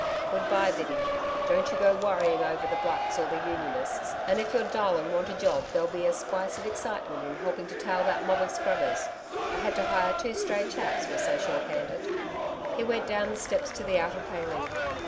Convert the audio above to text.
'Good bye, Biddy. Don't you go worrying over the blacks or the Unionists. And if you're dull and want a job there'll be a spice of excitement in helping to tail that mob of scrubbers. I had to hire two stray chaps, we're so short handed.' He went down the steps to the outer paling.